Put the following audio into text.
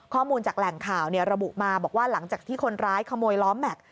ข้อมูลจากแหล่งข่าวระบุมาบอกว่าหลังจากที่คนร้ายขโมยล้อแม็กซ